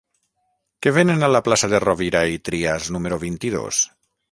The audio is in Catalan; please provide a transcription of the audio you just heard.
Què venen a la plaça de Rovira i Trias número vint-i-dos?